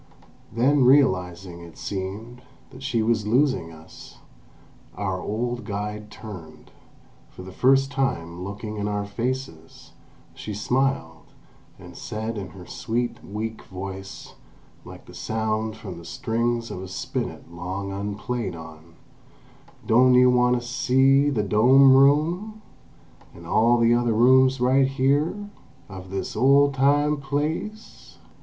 Then realising, it seemed, that she was losing us, our old guide turned; for the first time looking in our faces, she smiled, and said in her sweet, weak voice, like the sound from the strings of a spinet long unplayed on: "Don' you wahnd to see the dome room: an' all the other rooms right here, of this old time place?"